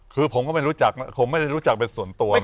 คือผมก็ไม่รู้จักผมไม่ได้รู้จักเป็นส่วนตัว